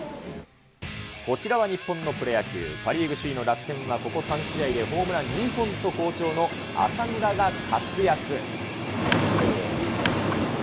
こちらは日本のプロ野球、パ・リーグ首位の楽天は、ここ３試合でホームラン２本と好調の浅村が活躍。